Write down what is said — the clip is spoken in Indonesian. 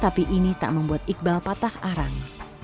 tapi ini tak membuat iqbal patah arang